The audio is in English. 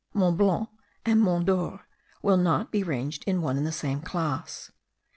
Mont Blanc and Mont d'Or will not be ranged in one and the same class.